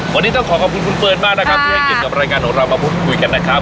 วันนี้ต้องขอขอบคุณคุณเฟิร์นมากนะครับที่ให้เกียรติกับรายการของเรามาพูดคุยกันนะครับ